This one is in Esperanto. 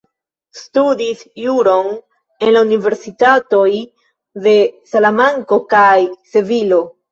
Studis juron en la universitatoj de Salamanko kaj Sevilo.